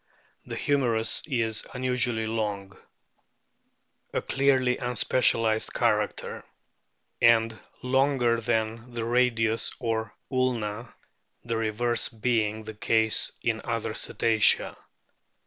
The humerus is unusually long (a clearly unspecialised character), and longer than the radius or ulna, the reverse being the case in other Cetacea.